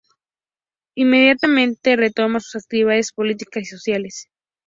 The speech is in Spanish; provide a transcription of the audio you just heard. Inmediatamente retoma sus actividades políticas y sociales.